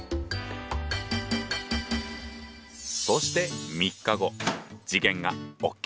そして３日後事件が起きた。